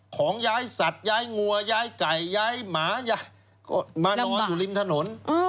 ของย้ายสัตว์ย้ายงัวย้ายไก่ย้ายหมาย้ายก็มานอนอยู่ริมถนน